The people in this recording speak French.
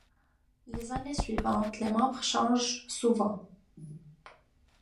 Les années suivantes, les membres changent souvent.